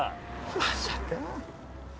まさか。